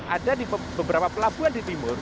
ada di beberapa pelabuhan di timur